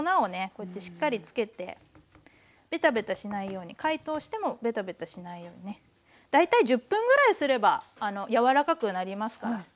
こうやってしっかりつけてベタベタしないように解凍してもベタベタしないようにね大体１０分ぐらいすれば柔らかくなりますから。